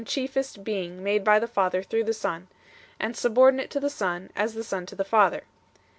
chiefest Being made by the Father through the Son, and subordinate to the Son, as the Son to the Father.